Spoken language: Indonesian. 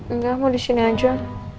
enggak mau disini aja